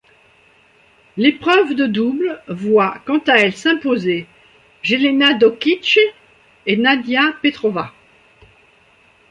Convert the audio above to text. L'épreuve de double voit quant à elle s'imposer Jelena Dokić et Nadia Petrova.